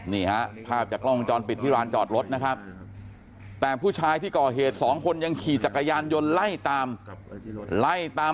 นี่ฮะภาพจากกล้องวงจรปิดที่ร้านจอดรถนะครับแต่ผู้ชายที่ก่อเหตุสองคนยังขี่จักรยานยนต์ไล่ตามไล่ตาม